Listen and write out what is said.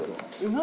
何？